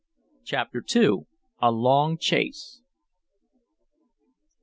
CHAPTER II. A LONG CHASE.